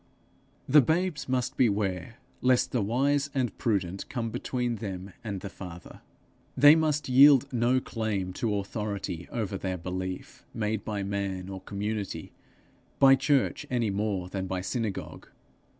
The babes must beware lest the wise and prudent come between them and the Father. They must yield no claim to authority over their belief, made by man or community, by church any more than by synagogue.